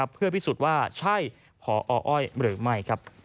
เพื่อพิสูจน์ว่าใช่พออ้อยหรือไม่